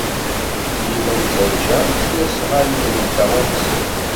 Dima nettajja isnasɣalen-nteɣ umsen.